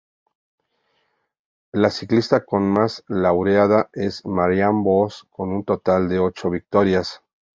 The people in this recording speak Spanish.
La ciclista con más laureada es Marianne Vos con un total de ocho victorias.